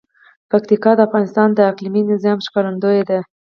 پکتیکا د افغانستان د اقلیمي نظام ښکارندوی ده.